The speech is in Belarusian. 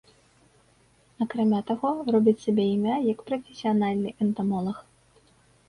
Акрамя таго робіць сабе імя як прафесіянальны энтамолаг.